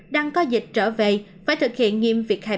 đang có dịch trở về phải thực hiện nghiêm cấp